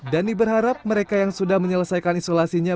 dhani berharap mereka yang sudah menyelesaikan isolasinya